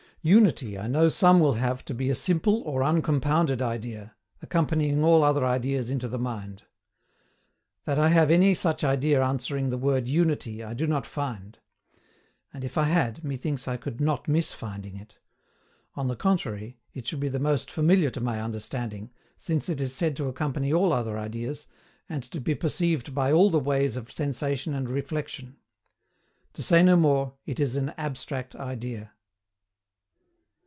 UNITY I know some will have to be A SIMPLE OR UNCOMPOUNDED IDEA, accompanying all other ideas into the mind. That I have any such idea answering the word UNITY I do not find; and if I had, methinks I could not miss finding it: on the contrary, it should be the most familiar to my understanding, since it is said to accompany all other ideas, and to be perceived by all the ways of sensation and reflexion. To say no more, it is an ABSTRACT IDEA.